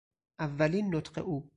اولین نطق او